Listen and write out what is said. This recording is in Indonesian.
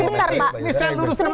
ini saya luruskan lagi